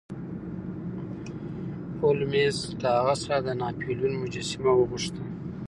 هولمز له هغه څخه د ناپلیون مجسمه وغوښته.